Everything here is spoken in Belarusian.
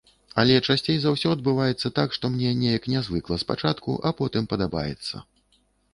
Але часцей за ўсё адбываецца так, што мне неяк нязвыкла спачатку, а потым падабаецца.